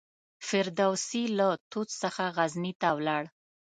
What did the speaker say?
فردوسي له طوس څخه غزني ته ولاړ.